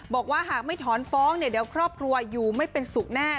บอกว่าหากไม่ถอนฟ้องเนี่ยเดี๋ยวครอบครัวอยู่ไม่เป็นสุขแน่